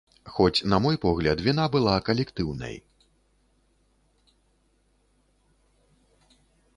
Хоць, на мой погляд, віна была калектыўнай.